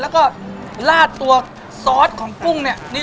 แล้วก็ลาดตัวซอสของกุ้งเนี่ย